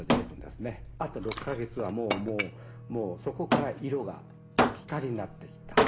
あと６か月はもうそこから色が光になってきた。